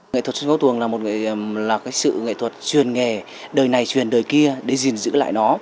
nghệ thuật truyền ngốc tuồng là một sự nghệ thuật truyền nghề đời này truyền đời kia để giữ lại nó